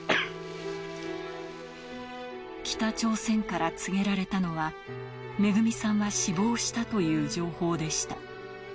北朝鮮から告げられたのは、めぐみさんは死亡したという情報でした。